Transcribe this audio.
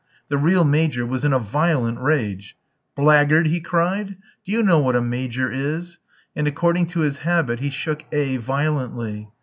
The real Major was in a violent rage. "Blackguard," he cried, "do you know what a major is?" and according to his habit he shook A f violently.